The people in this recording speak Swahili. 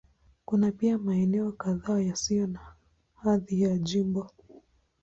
Kuna pia maeneo kadhaa yasiyo na hadhi ya jimbo.